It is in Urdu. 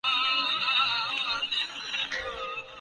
کہ گو یا یہ حسین نظارے اوجھل نہ ہو جائیں